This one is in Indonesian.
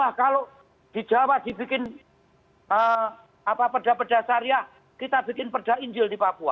wah kalau di jawa dibikin perda perda syariah kita bikin perda injil di papua